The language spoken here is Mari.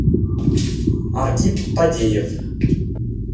Аркип Падеев.